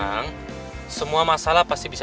aku sadar bisa sampai va xicu